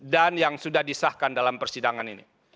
dan yang sudah disahkan dalam persidangan ini